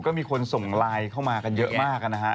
ก็มีคนส่งไลน์เข้ามากันเยอะมากนะฮะ